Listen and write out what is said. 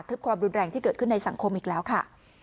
ความรุนแรงที่เกิดขึ้นในสังคมอีกแล้วค่ะ